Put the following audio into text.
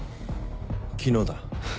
昨日だ。